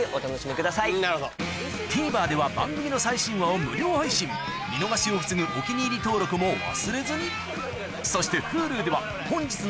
ＴＶｅｒでは番組の最新話を無料配信見逃しを防ぐ「お気に入り」登録も忘れずにそしてＨｕｌｕでは本日の放送も過去の放送も配信中